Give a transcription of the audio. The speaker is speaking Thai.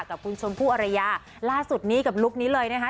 กับคุณชมพู่อรยาล่าสุดนี้กับลุคนี้เลยนะคะ